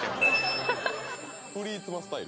「フリーつまスタイル？」